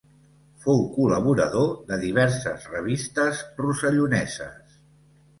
Fou col·laborador de diverses revistes rosselloneses.